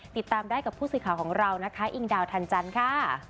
ติดตามได้กับผู้สื่อข่าวของเรานะคะอิงดาวทันจันทร์ค่ะ